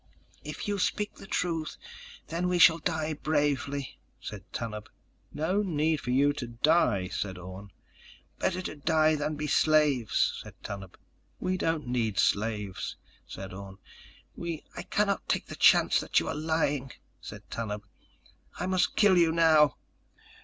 "If you speak the truth, then we shall die bravely," said Tanub. "No need for you to die," said Orne. "Better to die than be slaves," said Tanub. "We don't need slaves," said Orne. "We—" "I cannot take the chance that you are lying," said Tanub. "I must kill you now."